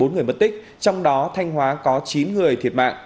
bốn người mất tích trong đó thanh hóa có chín người thiệt mạng